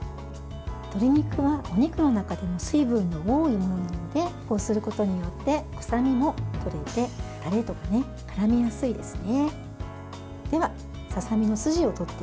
鶏肉はお肉の中でも水分が多いものなのでこうすることによって臭みも取れてタレともからみやすいですね。